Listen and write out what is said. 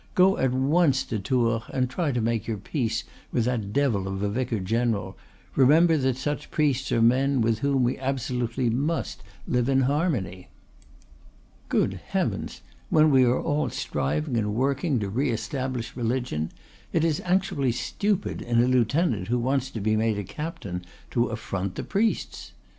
Go at once to Tours and try to make your peace with that devil of a vicar general; remember that such priests are men with whom we absolutely must live in harmony. Good heavens! when we are all striving and working to re establish religion it is actually stupid, in a lieutenant who wants to be made a captain, to affront the priests.